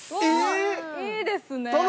いいですね。